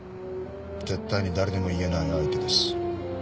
絶対に誰にも言えない相手です。